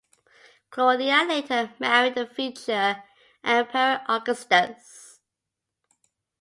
Clodia later married the future Emperor Augustus.